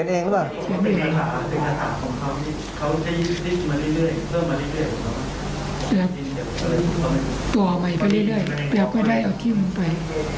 แล้วก็ตัวใหม่ไปเรื่อยเรื่อยแล้วก็ได้เอาที่มันไป